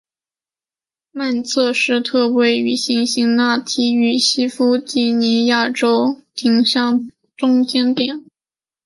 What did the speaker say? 曼彻斯特位于辛辛那提与西弗吉尼亚州亨廷顿的中间点。